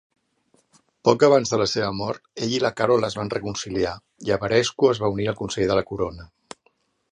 Poc abans de la seva mort, ell i la Carol es van reconciliar, i Averescu es va unir al consell de la corona.